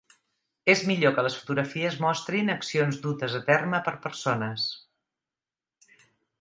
És millor que les fotografies mostrin accions dutes a terme per persones.